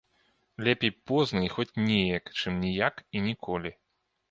Лепей позна і хоць неяк, чым ніяк і ніколі.